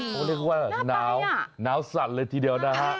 เขาเรียกว่าหนาวหนาวสั่นเลยทีเดียวนะฮะ